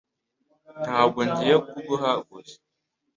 Ntabwo ngiye kuguha gusa